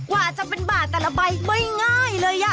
กว่าจะเป็นบาทแต่ละใบไม่ง่ายเลย